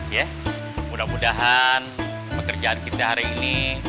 ya mudah mudahan pekerjaan kita hari ini